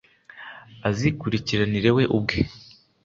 azikurikiranira we ubwe